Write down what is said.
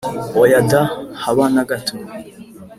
Oya da, haba na gato!